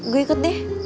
gue ikut deh